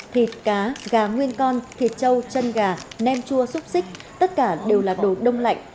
thịt cá gà nguyên con thịt trâu chân gà nem chua xúc xích tất cả đều là đồ đông lạnh